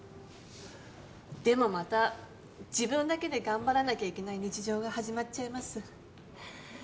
でもまた自分だけで頑張らなきゃいけない日常が始まっちゃいます。